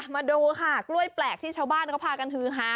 มาดูค่ะกล้วยแปลกที่ชาวบ้านเขาพากันฮือฮา